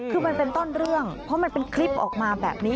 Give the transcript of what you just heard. คือมันเป็นต้นเรื่องเพราะมันเป็นคลิปออกมาแบบนี้